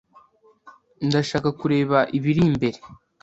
Ndashaka kureba ibiri imbere.